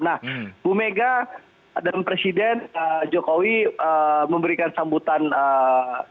nah bu mega dan presiden jokowi memberikan sambutan